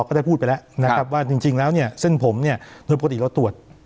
ก็ได้พูดไปแล้วนะครับว่าจริงแล้วเนี่ยเส้นผมเนี่ยโดยปกติเราตรวจ